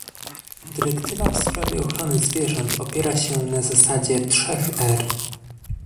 Dyrektywa w sprawie ochrony zwierząt opiera się na "zasadzie trzech R"